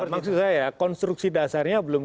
maksud saya konstruksi dasarnya belum